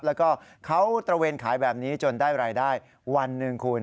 แล้วก็เขาตระเวนขายแบบนี้จนได้รายได้วันหนึ่งคุณ